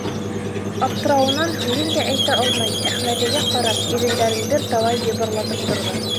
Аптырауынан һүҙен дә әйтә алмай, Әхмәҙигә ҡарап, ирендәрен бер талай йыбырлатып торҙо.